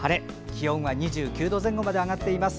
気温は２９度前後まで上がっています。